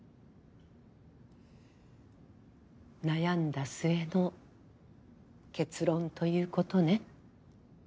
悩んだ末の結論ということね？